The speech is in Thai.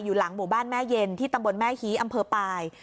หลังหมู่บ้านแม่เย็นที่ตำบลแม่ฮีอำเภอปลาย